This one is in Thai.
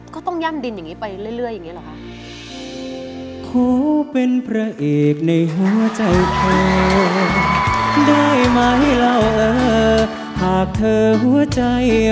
ก็ต้องย่ำดินอย่างนี้ไปเรื่อยอย่างนี้หรอคะ